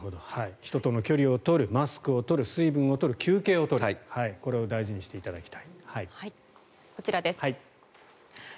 人との距離を取るマスクを取る、水分を取る休憩を取るを大事にしていただきたい。